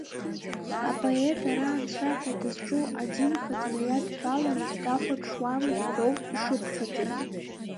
Апоет ара анцәа ҳәа дызҿу адинхаҵара иадҳәаланы дахәаԥшуамызт ҳәоуп ишыԥхьаӡоу.